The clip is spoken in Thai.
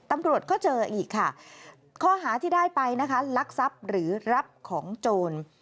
ตำรวจก็เจออีกค่ะข้อหาที่ได้ไปนะคะลักทรัพย์หรือรับของโจร